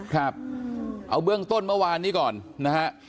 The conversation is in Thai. ครับเอาเบื้องต้นเมื่อวานนี้ก่อนนะฮะ